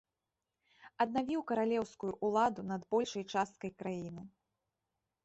Аднавіў каралеўскую ўладу над большай часткай краіны.